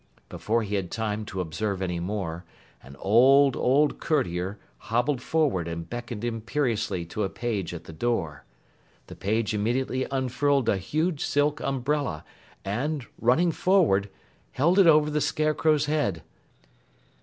Before he had time to observe any more, an old, old courtier hobbled forward and beckoned imperiously to a page at the door. The page immediately unfurled a huge silk umbrella and, running forward, held it over the Scarecrow's head.